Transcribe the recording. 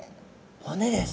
骨です。